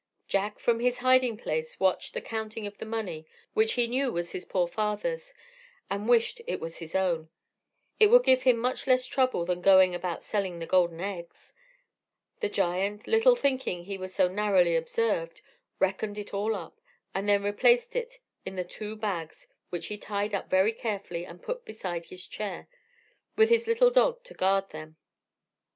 Jack from his hiding place watched the counting of the money, which he knew was his poor father's, and wished it was his own; it would give him much less trouble than going about selling the golden eggs. The giant, little thinking he was so narrowly observed, reckoned it all up, and then replaced it in the two bags, which he tied up very carefully and put beside his chair, with his little dog to guard them.